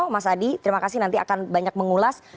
mas adi terima kasih nanti akan banyak mengulas